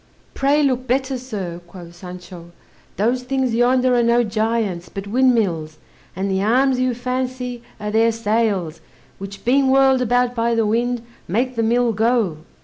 "Pray look better, sir," quoth Sancho; "those things yonder are no giants, but windmills, and the arms you fancy, are their sails, which being whirled about by the wind, make the mill go."